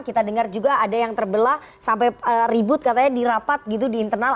kita dengar juga ada yang terbelah sampai ribut katanya di rapat gitu di internal